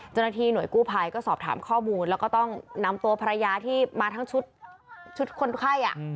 เจ้าหน้าที่หน่วยกู้ภัยก็สอบถามข้อมูลแล้วก็ต้องนำตัวภรรยาที่มาทั้งชุดคนไข้